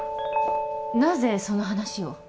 なぜその話を？